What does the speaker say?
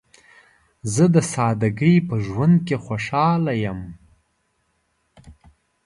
زه د سادګۍ په ژوند کې خوشحاله یم.